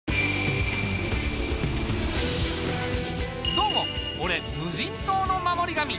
どうも俺無人島の守り神。